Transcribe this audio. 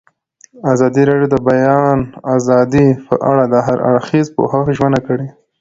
ازادي راډیو د د بیان آزادي په اړه د هر اړخیز پوښښ ژمنه کړې.